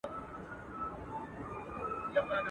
چي هر چا ورته کتل ورته حیران وه.